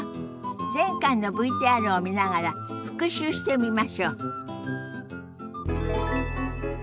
前回のＶＴＲを見ながら復習してみましょう。